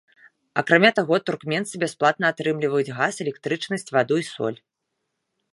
Акрамя таго, туркменцы бясплатна атрымліваюць газ, электрычнасць, ваду і соль.